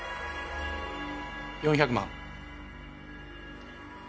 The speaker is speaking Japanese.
４００万。